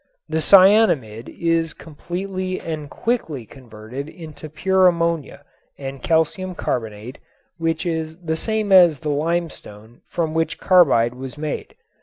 The cyanamid is completely and quickly converted into pure ammonia and calcium carbonate, which is the same as the limestone from which carbide was made.